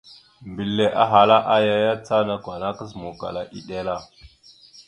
Mbile ahala aya ya, ca nakw ana kazǝmawkala eɗel a.